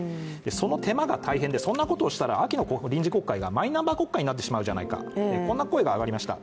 その手間が大変でそんなことをしたら秋の臨時国会がマイナンバー国会になってしまうじゃないかこんな声が上がりました。